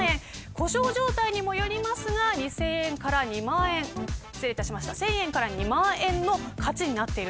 故障状態にもよりますが１０００円から２万円の価値になっている。